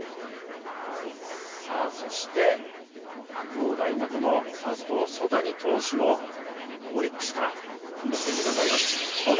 そして、白鴎大学のサウスポー、曽谷投手もオリックスから単独ということになります。